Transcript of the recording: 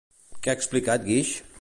Què ha explicat Guix?